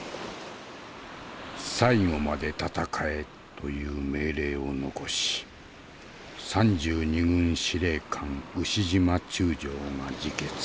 「最後まで戦え」という命令を残し３２軍司令官牛島中将が自決。